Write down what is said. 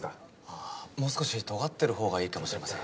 あもう少し尖ってる方がいいかもしれません。